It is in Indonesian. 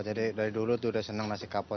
jadi dari dulu tuh udah senang nasi kapau